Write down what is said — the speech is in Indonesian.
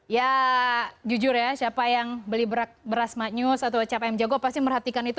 ya jujur ya siapa yang beli beras mug news atau cap ayam jago pasti merhatikan itu